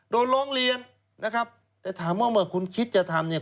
ร้องเรียนนะครับแต่ถามว่าเมื่อคุณคิดจะทำเนี่ย